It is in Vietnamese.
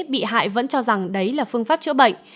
bị hại vẫn cho rằng đấy là phương pháp chữa bệnh